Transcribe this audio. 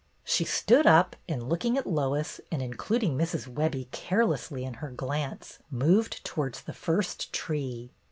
She stood up and, looking at Lois and in cluding Mrs. Webbie carelessly in her glance, moved towards the first tee.